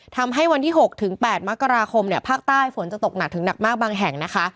ทำให้วันที่๖๘มกราคมเนี่ยภาคใต้ฝนจะตกหนักถึงหนักมากบางแห่งนะคะ